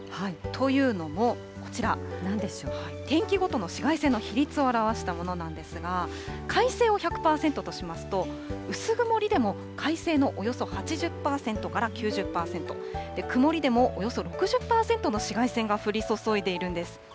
というのもこちら、天気ごとの紫外線の比率を表したものなんですが、快晴を１００％としますと、薄曇りでも快晴のおよそ８０％から９０％、曇りでもおよそ６０％の紫外線が降り注いでいるんです。